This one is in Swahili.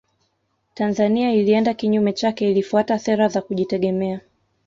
Tanzania ilienda kinyume chake ilifuata sera za kujitegemea